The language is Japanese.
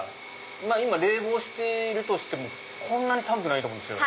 今冷房しているとしてもこんなに寒くないと思うんですよ。